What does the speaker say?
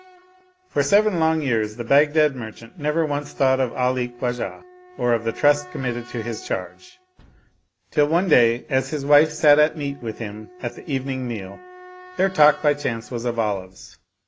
For seven long years the Baghdad merchant never once thought of Ali Khwajah or of the trust committed to his charge ; till one day as his wife sat at meat with him at the evening meal, their talk by chance was of olives.